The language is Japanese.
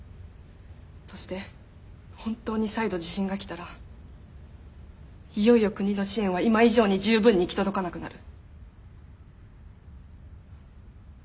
そして本当に再度地震が来たらいよいよ国の支援は今以上に十分に行き届かなくなる。